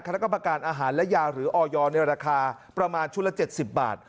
คณะกรรมการอาหารและยาหรือออยในราคาประมาณชุดละ๗๐บาท